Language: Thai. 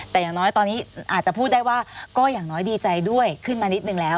แต่อย่างน้อยตอนนี้อาจจะพูดได้ว่าก็อย่างน้อยดีใจด้วยขึ้นมานิดนึงแล้ว